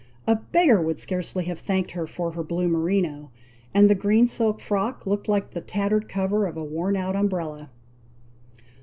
A beggar would scarcely have thanked her for her blue merino; and the green silk frock looked like the tattered cover of a worn out umbrella.